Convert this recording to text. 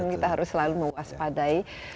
kita harus selalu mewaspadai